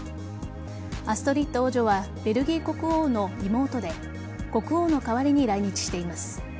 アストリッド王女はベルギー国王の妹で国王の代わりに来日しています。